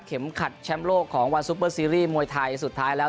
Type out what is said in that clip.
ขัดแชมป์โลกของวาซุปเปอร์ซีรีส์มวยไทยสุดท้ายแล้ว